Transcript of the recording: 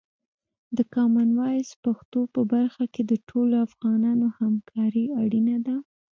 د کامن وایس پښتو په برخه کې د ټولو افغانانو همکاري اړینه ده.